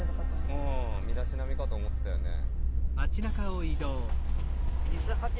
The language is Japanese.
うん身だしなみかと思ってたよね。